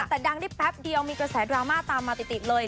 แต่ดังได้แป๊บเดียวมีกระแสดราม่าตามมาติดเลย